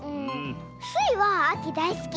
スイはあきだいすき。